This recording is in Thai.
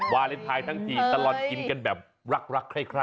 วาเลนไทยทั้งทีตลอดกินกันแบบรักคล้าย